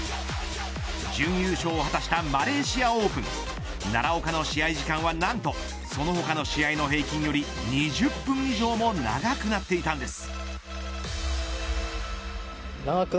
準優勝を果たしたマレーシアオープン奈良岡の試合時間は何とその他の試合の平均より２０分以上も長くなっていたんです。